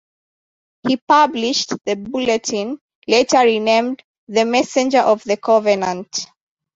He published "The Bulletin", later renamed "The Messenger of the Covenant".